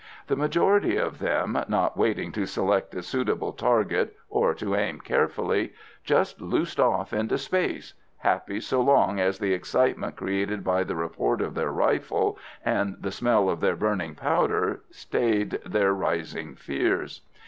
The majority of them, not waiting to select a suitable target or to aim carefully, just loosed off into space, happy so long as the excitement created by the report of their rifle and the smell of their burning powder stayed their rising fears.